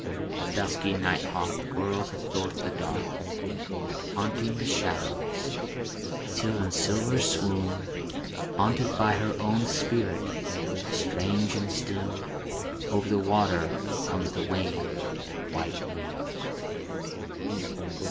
A dusky night hawk whirrs athwart the dark, Haunting the shadows, till in silvern swoon, Hunted by her own spirit, strange and still, Over the waters comes the wan, white moon.